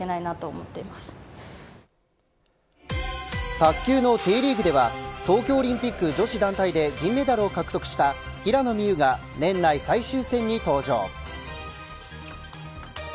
卓球のＴリーグでは東京オリンピック女子団体で銀メダルを獲得した平野美宇が年内最終戦に登場。